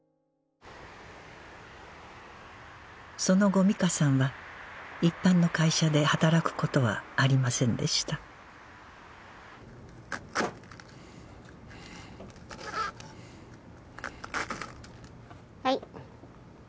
その後美香さんは一般の会社で働くことはありませんでしたはい。